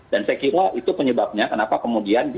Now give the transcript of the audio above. dan saya kira itu penyebabnya kenapa kemudian